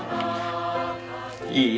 いい？